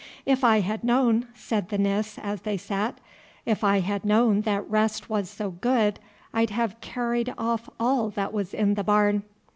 "If I had known," said the Nis, as they sat. "If I had known that rest was so good, I'd have carried off all that was in the barn."